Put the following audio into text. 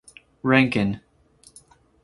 Rankin.